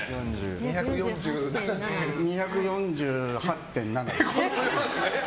２４８．７。